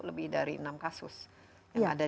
lebih dari enam kasus yang ada